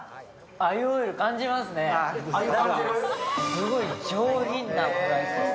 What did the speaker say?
すごい上品なオムライスです。